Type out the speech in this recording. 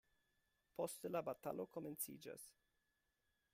Poste la batalo komenciĝas.